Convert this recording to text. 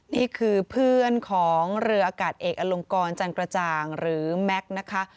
นี่คือเพื่อนของเลือดอากาศเอกอลงกรจันตราจารย์นะคะ